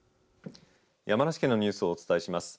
山梨県のニュースをお伝えします。